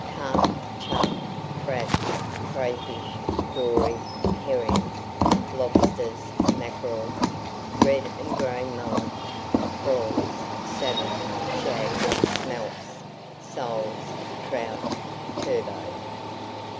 Carp, chub, crabs, crayfish, dory, herrings, lobsters, mackerel, red and gray mullet, prawns, salmon, shad, smelts, soles, trout, turbot.